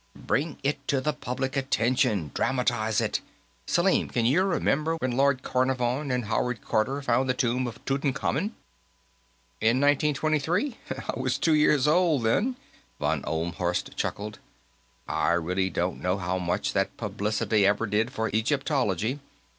Bring it to the public attention; dramatize it. Selim, can you remember when Lord Carnarvon and Howard Carter found the tomb of Tutankhamen?" "In 1923? I was two years old, then," von Ohlmhorst chuckled. "I really don't know how much that publicity ever did for Egyptology.